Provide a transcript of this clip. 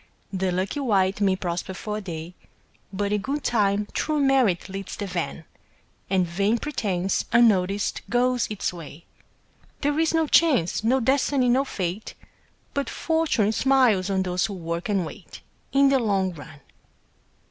The lucky wight may prosper for a day, But in good time true merit leads the van And vain pretence, unnoticed, goes its way. There is no Chance, no Destiny, no Fate, But Fortune smiles on those who work and wait, In the long run.